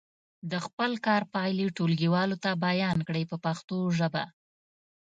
د خپل کار پایلې ټولګیوالو ته بیان کړئ په پښتو ژبه.